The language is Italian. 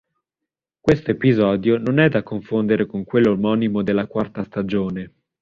Questo episodio non è da confondere con quello omonimo della quarta stagione.